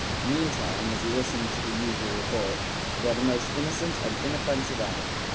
Meantime, as he listened to the usual report, he had the most innocent and inoffensive air.